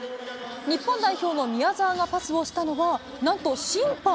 日本代表の宮澤がパスをしたのは、なんと審判。